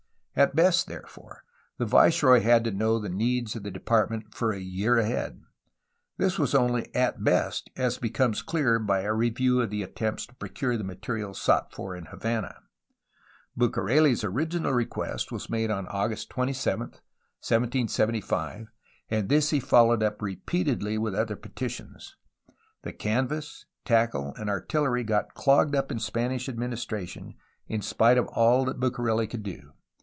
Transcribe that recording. At best, therefore, the viceroy had to know the needs of the Department for a year ahead. This was only "at best," as becomes clear by a re view of the attempts to procure the materials sought for in Havana. Bucareli's original request was made on August 27, 1775, and this he followed up repeatedly with other petitions. The canvas, tackle, and artillery got clogged up in Spanish administration, in spite of all that Bucareli could do.